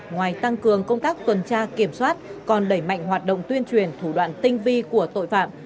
ngoài tăng cường công tác tuần tra kiểm soát còn đẩy mạnh hoạt động tuyên truyền thủ đoạn tinh vi của tội phạm